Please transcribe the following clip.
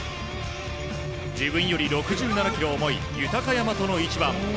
自分より６７ｋｇ重い豊山との一番。